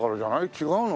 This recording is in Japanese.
違うの？